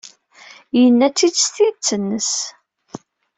Yenna-t-id s tidet-nnes.